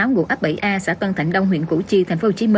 ngụ ấp bảy a xã tân thạnh đông huyện củ chi tp hcm